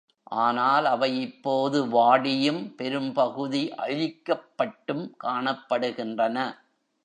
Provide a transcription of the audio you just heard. ஆனால் அவை இப்போது வாடியும், பெரும் பகுதி அழிக்கப்பட்டும் காணப்படுகின்றன.